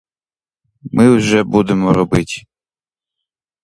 Ми вже будемо робить.